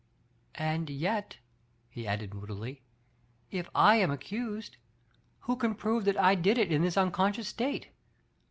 And yet/' he added moodily, "if I am accused, who can prove that I did it in this unconscious state?